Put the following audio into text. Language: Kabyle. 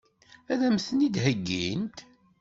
Ad m-ten-id-heggint?